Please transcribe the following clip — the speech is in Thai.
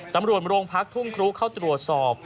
ตำรวจโรงพักทุ่งครูเข้าตรวจสอบ